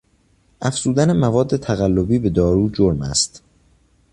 افزودن مواد تقلبی به دارو جرم است.